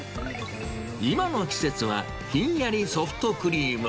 今の季節はひんやりソフトクリーム。